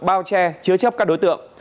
bao che chứa chấp các đối tượng